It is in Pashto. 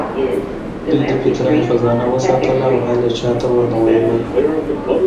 دوی د پیترا خزانه وساتله او حال یې چا ته ونه ویلو.